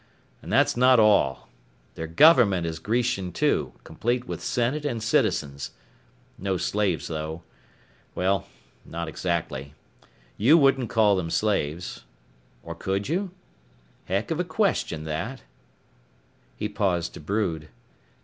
And that's not all. Their government is Grecian too, complete with Senate and Citizens. No slaves though. Well not exactly. You couldn't call them slaves. Or could you? Heck of a question, that " He paused to brood.